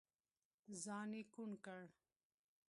ځان يې کوڼ کړ.